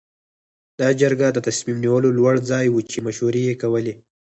دا جرګه د تصمیم نیولو لوړ ځای و چې مشورې یې کولې.